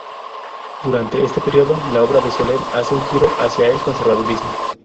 Durante este periodo, la obra de Soler hace un giro hacia el conservadurismo.